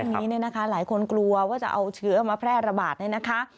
นี้เนี่ยนะคะหลายคนกลัวว่าจะเอาเชื้อมาแพร่ระบาดเนี่ยนะคะ